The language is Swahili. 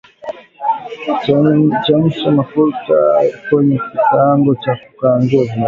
Chemsha mafuta kwenye kikaango cha kukaangia viazi